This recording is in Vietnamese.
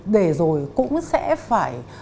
để rồi cũng sẽ phải